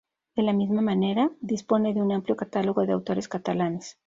De la misma manera, dispone de un amplio catálogo de autores catalanes.